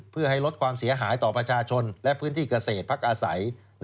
เพื่อให้ลดความเสียหายต่อประชาชนและพื้นที่เกษตรพักอาศัย